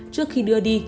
trước khi đưa đi